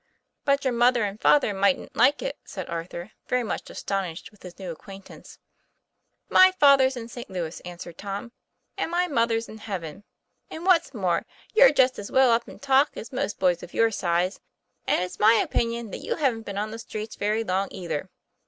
"But your mother and father mightn't like it," said Arthur, very much astonished with his new ac quaintance. "My father's in St. Louis," answered Tom, "and my mother's in heaven. And what's more, you're just as well up in talk as most boys of your size ; and it's my opinion that you haven't been on the streets very long, either.